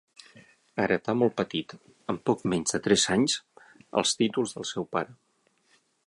Heretà molt petit, amb poc menys de tres anys, els títols del seu pare.